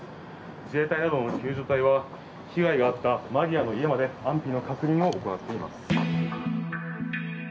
自衛隊などの救助隊は被害があった家まで安否の確認を行っています。